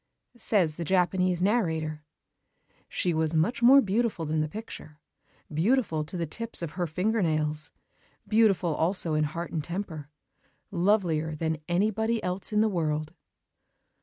Says the Japanese narrator: "She was much more beautiful than the picture, beautiful to the tips of her finger nails, beautiful also in heart and temper, lovelier than anybody else in the world."